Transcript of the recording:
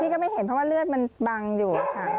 ก็ไม่เห็นเพราะว่าเลือดมันบังอยู่ค่ะ